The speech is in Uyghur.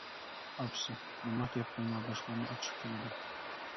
ئاپىسى: بۇنداق گەپ قىلما، باشقىلارنىڭ ئاچچىقى كېلىدۇ.